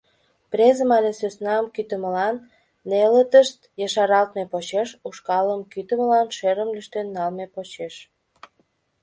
Презым але сӧснам кӱтымылан нелытышт ешаралтме почеш, ушкалым кӱтымылан — шӧрым лӱштен налме почеш.